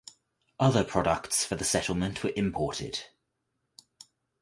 Other products for the settlement were imported.